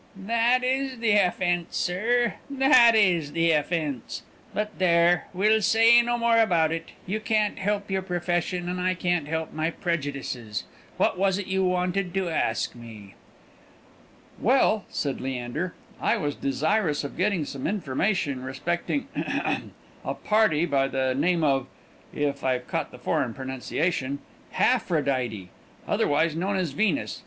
"That is the offence, sir; that is the offence! But, there, we'll say no more about it; you can't help your profession, and I can't help my prejudices. What was it you wanted to ask me?" "Well," said Leander, "I was desirous of getting some information respecting ahem a party by the name of (if I've caught the foreign pronounciation) Haphrodite, otherwise known as Venus.